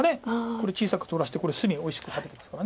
これ小さく取らしてこれ隅おいしく食べてますから。